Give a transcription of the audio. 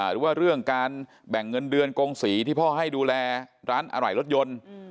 หรือว่าเรื่องการแบ่งเงินเดือนกงศรีที่พ่อให้ดูแลร้านอะไหล่รถยนต์